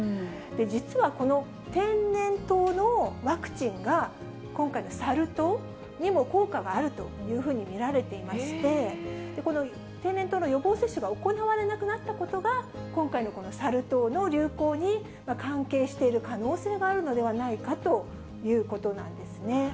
実はこの天然痘のワクチンは、今回のサル痘にも効果があるというふうに見られていまして、この天然痘の予防接種が行われなくなったことが、今回のこのサル痘の流行に関係している可能性があるのではないかということなんですね。